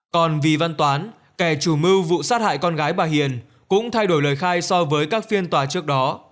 còn vì văn toán kẻ chủ mưu vụ sát hại con gái bà hiền cũng thay đổi lời khai so với các phiên tòa trước đó